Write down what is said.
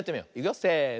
せの。